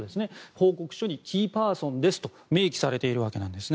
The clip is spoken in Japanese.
報告書にキーパーソンですと明記されています。